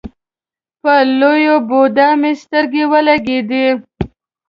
په لوړ بودا مې سترګې ولګېدې.